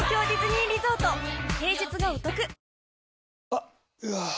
あっ、うわー。